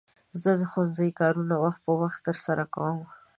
زه د ښوونځي کارونه وخت په وخت ترسره کوم.